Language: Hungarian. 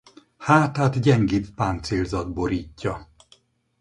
Hátát gyengébb páncélzat borítja.